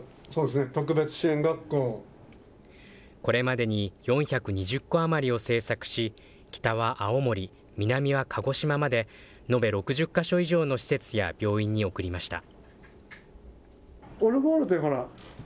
これまでに４２０個余りを製作し、北は青森、南は鹿児島まで、延べ６０か所以上の施設や病院に贈りました。